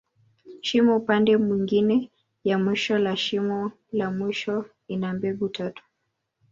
Shimo upande mwingine ya mwisho la shimo la mwisho, ina mbegu tatu.